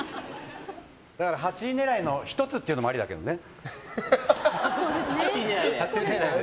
８位狙いの１つっていうのもありだけどね。